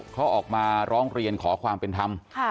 เขาออกมาร้องเรียนขอความเป็นธรรม